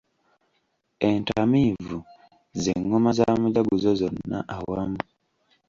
Entamiivu z’engoma za mujaguzo zonna awamu.